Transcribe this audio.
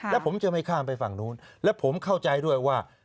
แล้วผมจะไม่ข้ามไปฝั่งนู้นและผมเข้าใจด้วยว่า